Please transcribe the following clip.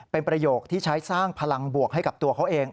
เป็นประโยคที่ใช้สร้างพลังบวกให้กับตัวเขาเอง